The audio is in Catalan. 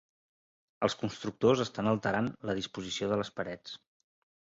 Els constructors estan alterant la disposició de les parets.